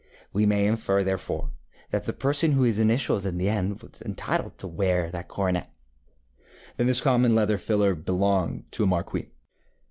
We may infer, therefore, that the person whose initials end in B was entitled to wear that coronet. ŌĆØ ŌĆ£Then this common leather filler belonged to a marquis?